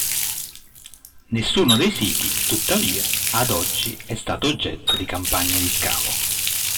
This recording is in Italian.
Nessuno dei siti, tuttavia, ad oggi, è stato oggetto di campagne di scavo.